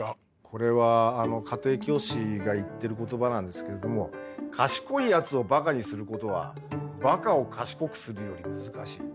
これは家庭教師が言ってる言葉なんですけれども「カシコイやつをバカにすることはバカをカシコクするよりむずかしい」。